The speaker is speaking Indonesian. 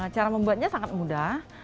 cara membuatnya sangat mudah